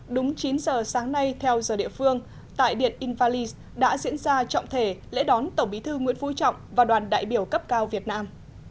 đúng chín giờ sáng nay theo giờ địa phương tại điện invalis đã diễn ra trọng thể lễ đón tổng bí thư nguyễn phú trọng và đoàn đại biểu cấp cao việt nam